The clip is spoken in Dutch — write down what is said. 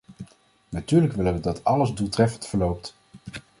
Natuurlijk willen we dat alles doeltreffend verloopt.